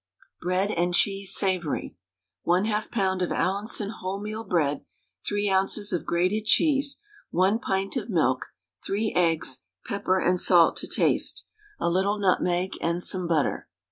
BREAD AND CHEESE SAVOURY. 1/2 lb. of Allinson wholemeal bread, 3 oz. of grated cheese, 1 pint of milk, 3 eggs, pepper and salt to taste, a little nutmeg, and some butter.